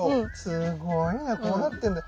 すごいなこうなってんだ。